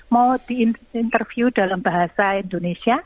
mau di interview dalam bahasa indonesia